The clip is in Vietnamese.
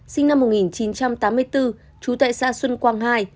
sinh năm một nghìn chín trăm tám mươi bốn trú tại xã xuân quang hai